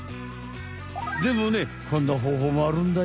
でもねこんな方法もあるんだよ。